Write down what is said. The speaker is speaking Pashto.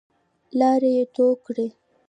لاړې يې تو کړې.